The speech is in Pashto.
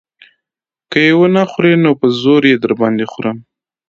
که يې ونه خورې نو په زور يې در باندې خورم.